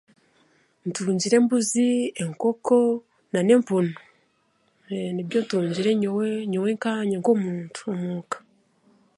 Ntungire embuzi enkonko nan'empunu, eee, nibyo ntungire nyowe nyowe nkaanye nk'omuntu. omuuka